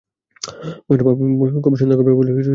মহেন্দ্র ভবির সন্ধান করিবে বলিয়া স্বীকৃত হইলেন।